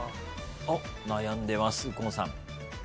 あっ悩んでます右近さん。